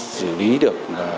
xử lý được